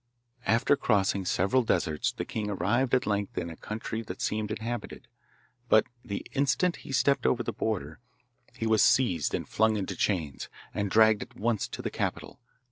After crossing several deserts the king arrived at length in a country that seemed inhabited, but the instant he stepped over the border he was seized and flung into chains, and dragged at once to the capital.